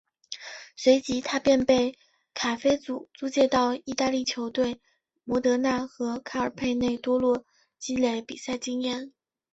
随即他便被本菲卡租借到意大利球队摩德纳和卡尔佩内多洛积累比赛经验。